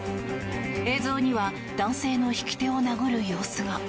映像には男性の引き手を殴る様子が。